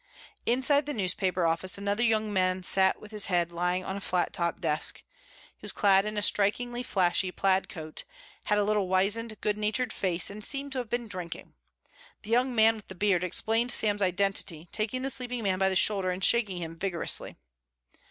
Inside the newspaper office another young man sat with his head lying on a flat top desk. He was clad in a strikingly flashy plaid coat, had a little wizened, good natured face and seemed to have been drinking. The young man with the beard explained Sam's identity, taking the sleeping man by the shoulder and shaking him vigorously.